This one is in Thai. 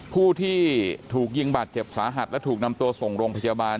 ผู้ที่ถูกยิงบาดเจ็บสาหัสและถูกนำตัวส่งโรงพยาบาล